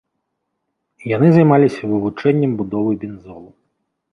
Яны займаліся вывучэннем будовы бензолу.